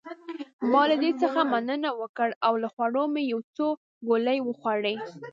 ما له دې څخه مننه وکړ او له خوړو مې یو څو ګولې وخوړې.